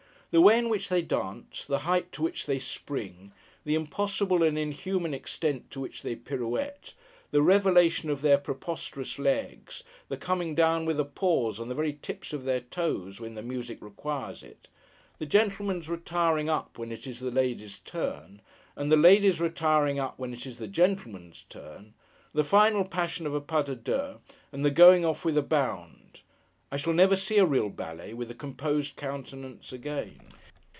The way in which they dance; the height to which they spring; the impossible and inhuman extent to which they pirouette; the revelation of their preposterous legs; the coming down with a pause, on the very tips of their toes, when the music requires it; the gentleman's retiring up, when it is the lady's turn; and the lady's retiring up, when it is the gentleman's turn; the final passion of a pas de deux; and the going off with a bound!—I shall never see a real ballet, with a composed countenance again.